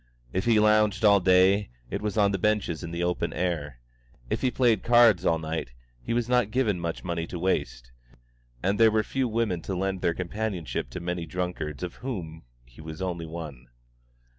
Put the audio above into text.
If he lounged all day, it was on the benches in the open air; if he played cards all night, he was not given much money to waste; and there were few women to lend their companionship to the many drunkards of whom he was only one.